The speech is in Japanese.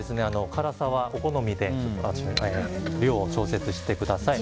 辛さはお好みで量を調節してください。